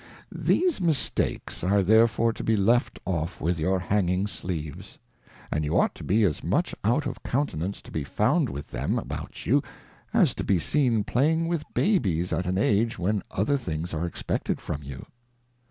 These Mistakes are therefore to be left off with your Hanging sleeves ; and you ought to be as much out of countenance to be found with them about you, as to be seen playing with Babies at an Age when other things are expected from you.